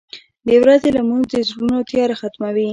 • د ورځې لمونځ د زړونو تیاره ختموي.